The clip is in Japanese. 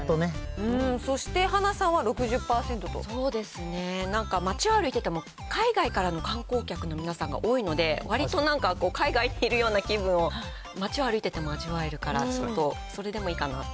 そして、はなさんは６０％とそうですね、なんか街を歩いてても、海外からの観光客の皆さんが多いので、わりとなんか海外にいるような気分を、街を歩いてても味わえるから、ちょっとそれでもいいかなって。